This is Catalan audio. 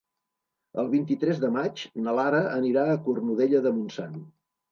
El vint-i-tres de maig na Lara anirà a Cornudella de Montsant.